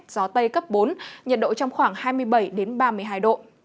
gió tây cấp bốn nhiệt độ trong khoảng hai mươi bảy ba mươi hai độ